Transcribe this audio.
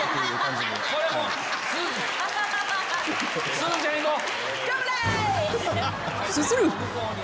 すずちゃんいこう。